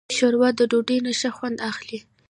ښوروا د ډوډۍ نه ښه خوند اخلي.